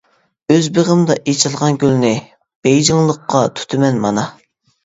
ئۆز بېغىمدا ئېچىلغان گۈلنى، بېيجىڭلىققا تۇتىمەن مانا.